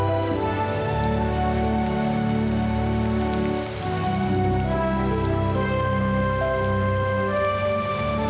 ibu dibawah sini amira